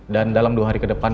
dan dalam dua hari ke depan